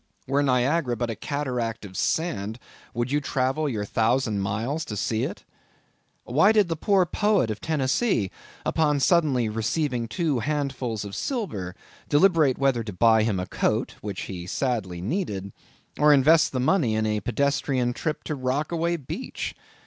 Were Niagara but a cataract of sand, would you travel your thousand miles to see it? Why did the poor poet of Tennessee, upon suddenly receiving two handfuls of silver, deliberate whether to buy him a coat, which he sadly needed, or invest his money in a pedestrian trip to Rockaway Beach?